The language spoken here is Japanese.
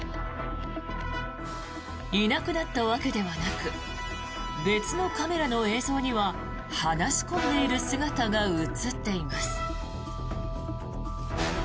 いなくなったわけではなく別のカメラの映像には話し込んでいる姿が映っています。